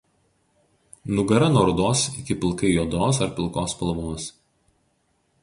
Nugara nuo rudos iki pilkai juodos ar pilkos spalvos.